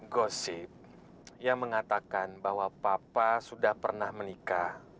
gosip yang mengatakan bahwa papa sudah pernah menikah